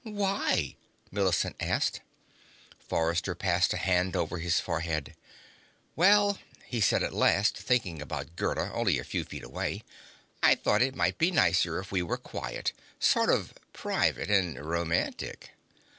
"Why?" Millicent asked. Forrester passed a hand over his forehead. "Well," he said at last, thinking about Gerda, only a few feet away, "I thought it might be nicer if we were quiet. Sort of private and romantic."